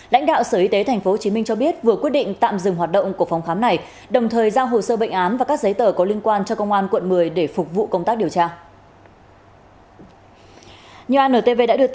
lãnh đạo sở y tế tp hcm cho biết vừa quyết định tạm dừng hoạt động của phòng khám này đồng thời giao hồ sơ bệnh án và các giấy tờ có liên quan cho công an quận một mươi để phục vụ công tác điều tra